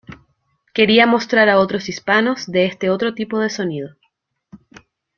Quería mostrar a otros hispanos de este otro tipo de sonido.